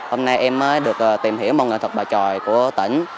hôm nay em mới được tìm hiểu môn nghệ thuật bài tròi của tỉnh